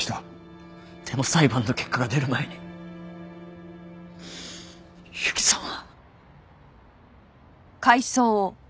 でも裁判の結果が出る前にＹＵＫＩさんは。